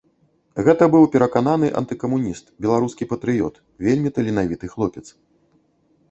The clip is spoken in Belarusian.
Гэта быў перакананы антыкамуніст, беларускі патрыёт, вельмі таленавіты хлопец.